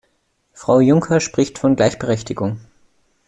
Frau Junker spricht von Gleichberechtigung.